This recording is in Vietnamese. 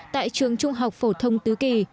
tại trường trung học phổ thông tứ kỳ